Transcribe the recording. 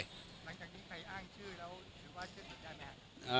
หลังจากนี้ใครอ้างชื่อแล้วถือว่าเชื่อถือได้ไหมครับ